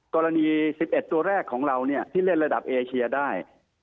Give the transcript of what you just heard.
กรณี๑๑ตัวแรกของเราที่เล่นระดับเอเชียได้